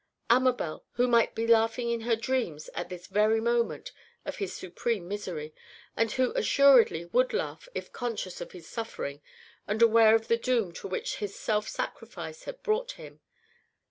Amabel, who might be laughing in her dreams at this very moment of his supreme misery, and who assuredly would laugh if conscious of his suffering and aware of the doom to which his self sacrifice had brought him.